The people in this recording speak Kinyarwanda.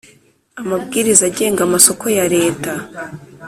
Amabwiriza agenga amasoko ya leta